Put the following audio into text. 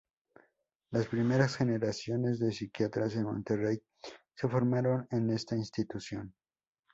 Las primeras generaciones de psiquiatras en Monterrey se formaron en esta Institución.